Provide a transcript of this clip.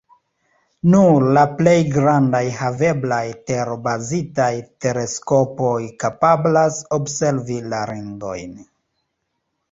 Nur la plej grandaj haveblaj tero-bazitaj teleskopoj kapablas observi la ringojn.